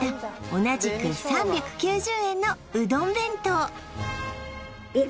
同じく３９０円のうどん弁当あ